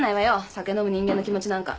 酒飲む人間の気持ちなんか。